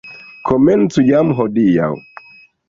Komencu jam hodiaŭ!